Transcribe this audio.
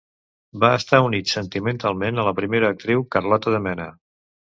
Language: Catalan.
Va estar unit sentimentalment a la primera actriu Carlota de Mena.